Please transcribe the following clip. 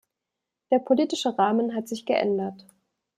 Der politische Rahmen hat sich geändert.